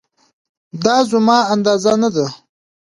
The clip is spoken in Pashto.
دا زما اندازه نه ده